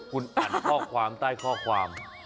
คุณอ่านข้อความใต้ข้อความ